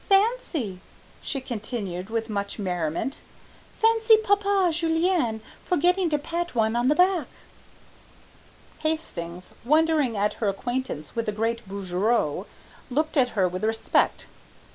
Fancy," she continued with much merriment, "fancy papa Julian forgetting to pat one on the back." Hastings, wondering at her acquaintance with the great Bouguereau, looked at her with respect.